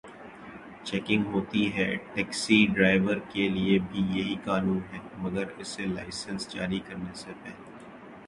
Checking ہوتی ہے۔ Taxi driver کے لیے بھی یہی قانون ہے مگر اسے لائسنس جاری کرنے سے پہل